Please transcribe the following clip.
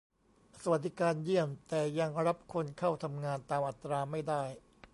สวัสดิการเยี่ยม แต่ยังรับคนเข้าทำงานตามอัตราไม่ได้